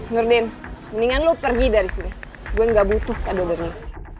nurdin mendingan lo pergi dari sini gue gak butuh kado baru ini